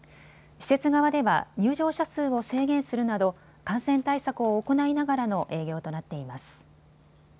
施設側では入場者数を制限するなど感染対策を行いながらの営業となっています。